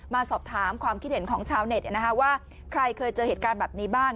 มาสอบถามความคิดเห็นของชาวเน็ตว่าใครเคยเจอเหตุการณ์แบบนี้บ้าง